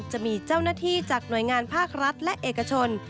จะมีเจ้าหน้าที่จากหน่วยงานภาครัฐและเอกชน